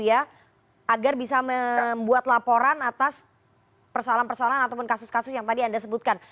agar bisa membuat laporan atas persoalan persoalan ataupun kasus kasus yang tadi anda sebutkan